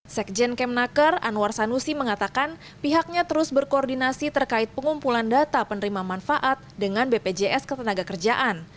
sekjen kemnaker anwar sanusi mengatakan pihaknya terus berkoordinasi terkait pengumpulan data penerima manfaat dengan bpjs ketenaga kerjaan